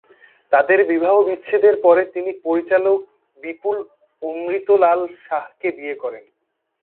তাদের বিবাহবিচ্ছেদের পরে তিনি পরিচালক বিপুল অমৃতলাল শাহকে বিয়ে করেন।